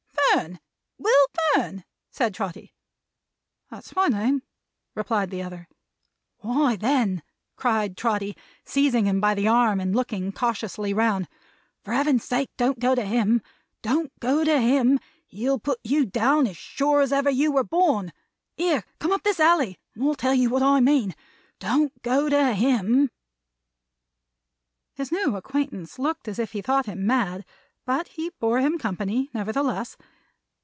"Fern! Will Fern!" said Trotty. "That's my name," replied the other. "Why, then," cried Trotty, seizing him by the arm and looking cautiously round, "for Heaven's sake don't go to him! Don't go to him! He'll put you down as sure as ever you were born. Here, come up this alley, and I'll tell you what I mean. Don't go to him." His new acquaintance looked as if he thought him mad, but he bore him company, nevertheless.